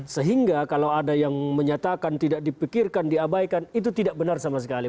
sehingga kalau ada yang menyatakan tidak dipikirkan diabaikan itu tidak benar sama sekali